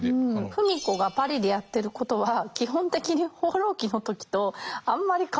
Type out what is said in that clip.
芙美子がパリでやってることは基本的に「放浪記」の時とあんまり変わってない。